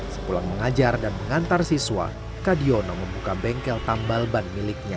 sempulang mengajar dan mengantar siswa kak diono membuka bengkel tambal ban miliknya